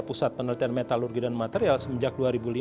pusat penelitian metalurgi dan material semenjak dua ribu lima